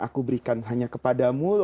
aku berikan hanya kepada kamu